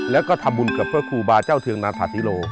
แล้วก็ทำบุญกับพระครูบาเจ้าเทืองนาธาธิโล